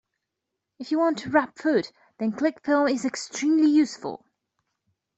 If you want to wrap food, then clingfilm is extremely useful